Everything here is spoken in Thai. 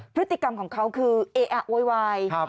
พฤติกรรมของเขาคือเออะโวยวาย